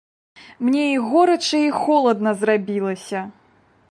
Мне і горача, і холадна зрабілася.